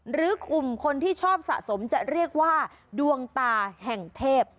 หรือกลุ่มคนที่ชอบสะสมจะเรียกว่าดวงตาแห่งเทพ